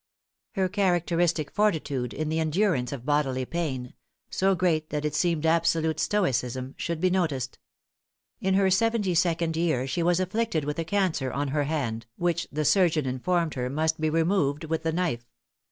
Her characteristic fortitude in the endurance of bodily pain so great that it seemed absolute stoicism should be noticed. In her seventy second year she was afflicted with a cancer on her hand, which the surgeon informed her must be removed with the knife.